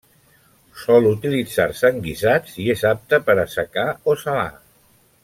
Sol utilitzar-se en guisats i és apte per a assecar o salar.